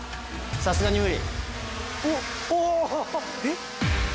さすがに無理？